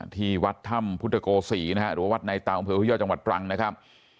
ที่วัดถ้ำพุทธโกศีนะฮะหรือว่าวัดในเตาอำเภอฮุยอดจังหวัดตรังนะครับ